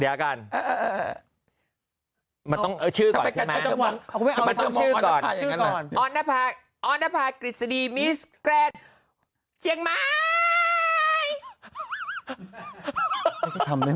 เดี๋ยวก่อนมันต้องชื่อก่อนใช่ไหมมันต้องชื่อก่อนอร์นภาคกฤษฎีมิสแกล้นเชียงไม้